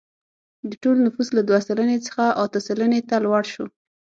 د ټول نفوس له دوه سلنې څخه اته سلنې ته لوړ شو.